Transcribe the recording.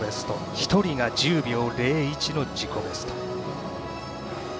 １人が１０秒０１の自己ベスト。